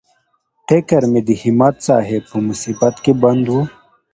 فکر مې د همت صاحب په مصیبت کې بند و.